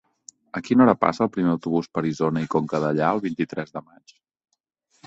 A quina hora passa el primer autobús per Isona i Conca Dellà el vint-i-tres de maig?